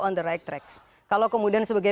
on the right track kalau kemudian sebagai